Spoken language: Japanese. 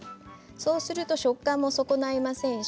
そうしたら食感も損ないませんし。